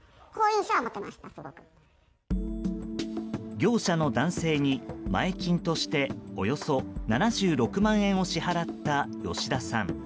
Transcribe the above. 業者の男性に、前金としておよそ７６万円を支払った吉田さん。